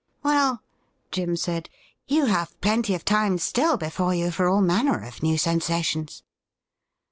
' Well,' Jim said, ' you have plenty of time still before you for all manner of new sensations.'